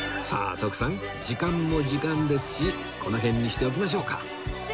さあ徳さん時間も時間ですしこの辺にしておきましょうか